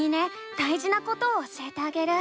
だいじなことを教えてあげる。